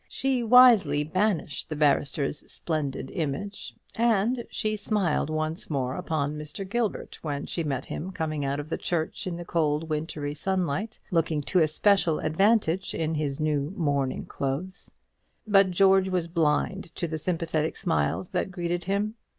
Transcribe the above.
She wisely banished the barrister's splendid image, and she smiled once more upon Mr. Gilbert when she met him coming out of church in the cold wintry sunlight, looking to especial advantage in his new mourning clothes. But George was blind to the sympathetic smiles that greeted him.